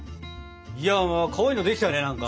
いやかわいいのできたね何か。